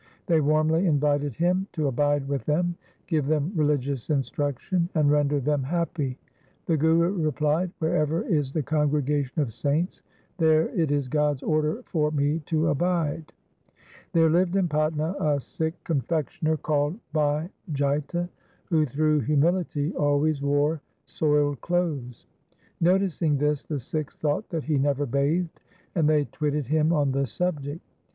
They warmly invited him to abide with them, give them religious instruction, and render them happy. The Guru replied :' Wherever is the congregation of saints, there it is God's order for me to abide.' There lived in Patna a Sikh confectioner, called Bhai Jaita, who through humility always wore soiled clothes. Noticing this the Sikhs thought that he never bathed, and they twitted him on the subject.